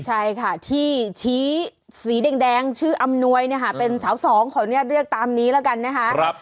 ใช่ค่ะที่ชี้สีแดงชื่ออำนวยเป็นสาวสองของลับเรียกตามนี้แล้วกันนะคะ